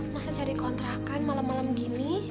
masa cari kontrakan malem malem gini